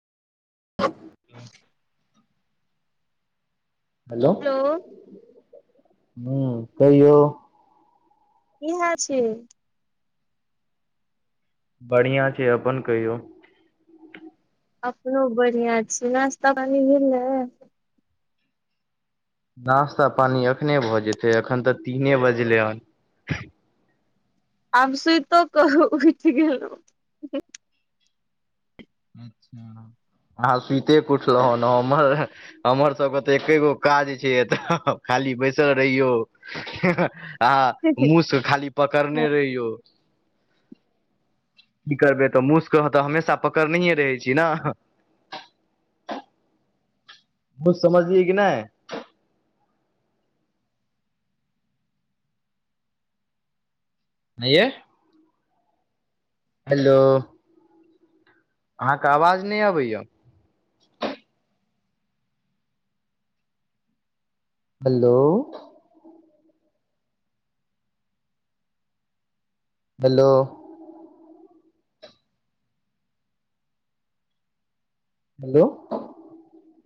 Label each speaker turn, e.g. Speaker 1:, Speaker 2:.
Speaker 1: [inaudible] Hello!
Speaker 2: Hello!
Speaker 1: ह कहियो?
Speaker 2: की होय छै?
Speaker 1: बढ़िया छै अपन कहियौ?
Speaker 2: अपनो बढ़ियां छी। नाश्ता पानी भेले?
Speaker 1: नाश्ता पानी अखने भऽ जेतै एखन तऽ तीने बजलै हन।
Speaker 2: आब सुतो कऽ उठि गेलहु।
Speaker 1: अच्छा अहाँ सुते उठलहु हन हमर हमर सबके तऽ एके गो काज छै अतऽ, खाली बैसल रहियौ। आ मुस के खाली पकड़ने रहियो। की करबै तऽ मुसके त हमेशा पकड़ने रहै छी ने मुस समझ ये कि नहि। नहि ये। हेलो अहाँके आवाज नहि अबैया। Hello hello hello